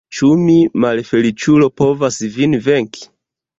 Ĉu mi, malfeliĉulo, povas vin venki?